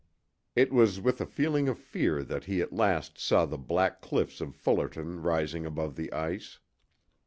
It was with a feeling of fear that he at last saw the black cliffs of Fullerton rising above the ice.